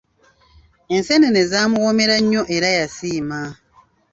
Enseenene zaamuwoomera nnyo era yasiima.